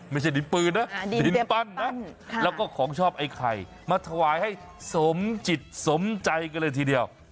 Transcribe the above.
ไม่ใช่ดินปืนนะดินปั้นนะแล้วก็ของชอบไอ้ไข่มาถวายให้สมจิตสมใจกันเลยทีเดียว